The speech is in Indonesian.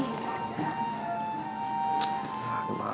eh tutup lagi